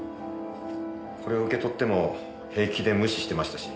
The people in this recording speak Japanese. これを受け取っても平気で無視してましたし。